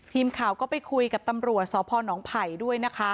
ทีมข่าวก็ไปคุยกับตำรัวสพผัยด้วย